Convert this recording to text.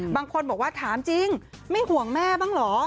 บางคนบอกว่าถามจริงไม่ห่วงแม่บ้างเหรอ